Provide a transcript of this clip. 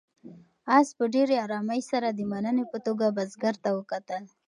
آس په ډېرې آرامۍ سره د مننې په توګه بزګر ته وکتل.